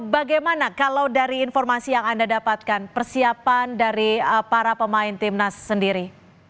bagaimana kalau dari informasi yang anda dapatkan persiapan dari para pemain timnas sendiri